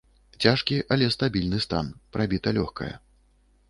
Цяжкі, але стабільны стан, прабіта лёгкае.